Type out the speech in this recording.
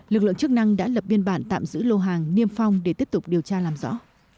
lực lượng chức năng đã lập biên bản tạm giữ lô hàng niêm phong để tiếp tục điều tra làm rõ